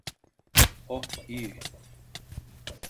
Oh, iyi.